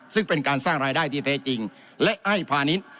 ซึ่งเป็นการสร้างรายได้ที่แท้จริงและให้พาณิชย์